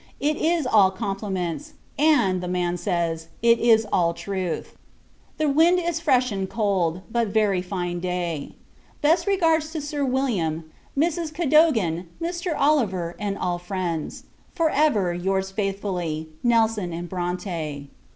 It is all compliments; and, the man says, it is all truth. The wind is freshened cold, but very fine day. Best regards to Sir William, Mrs. Cadogan, Mr. Oliver, and all friends. For ever, your's faithfully, NELSON & BRONTE.